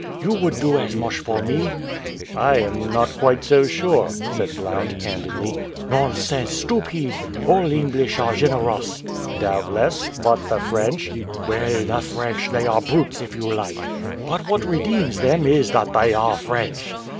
You would do as much for me." "I am not quite so sure," said Blount candidly. "Nonsense, stupid! All English are generous." "Doubtless; but the French?" "Well, the French they are brutes, if you like! But what redeems them is that they are French.